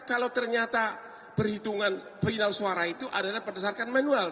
kalau ternyata perhitungan suara itu adalah berdasarkan manual